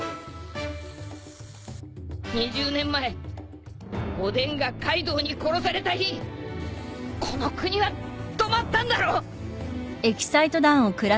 ２０年前おでんがカイドウに殺された日この国は止まったんだろ？